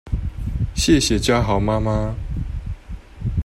謝謝家豪媽媽